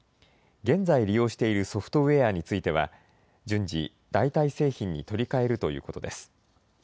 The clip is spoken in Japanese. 現在、利用しているソフトウエアについては、順次、代替製品に取り替えるということです。